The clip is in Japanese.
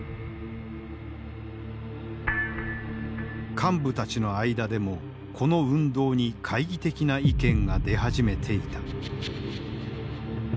幹部たちの間でもこの運動に懐疑的な意見が出始めていた。